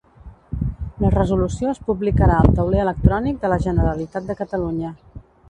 La resolució es publicarà al tauler electrònic de la Generalitat de Catalunya.